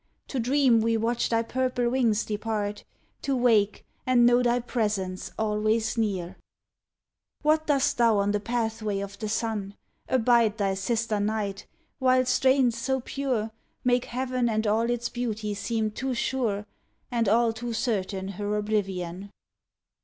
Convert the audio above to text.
To dream we watch thy purple wings depart; To wake, and know thy presence alway near I What dost thou on the pathway of the sun*? Abide thy sister Night, while strains so pure Make heaven and all its beauty seem too sure, And all too certain her oblivion.